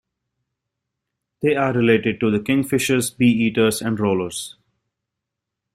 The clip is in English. They are related to the kingfishers, bee-eaters and rollers.